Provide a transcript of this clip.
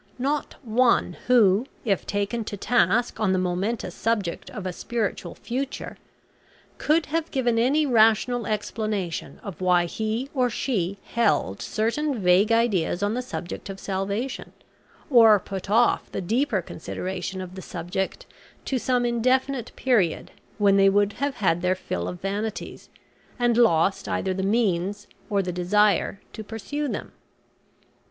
Not one who, if taken to task on the momentous subject of a spiritual future, could have given any rational explanation of why he or she held certain vague ideas on the subject of salvation, or put off the deeper consideration of the subject to some indefinite period when they would have had their fill of vanities, and lost either the means or the desire to pursue them.